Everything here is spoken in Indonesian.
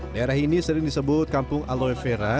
daerah ini sering disebut kampung aloe vera